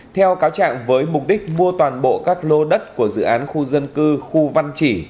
theo cáo trạng với mục đích mua toàn bộ các lô đất của dự án khu dân cư khu văn chỉ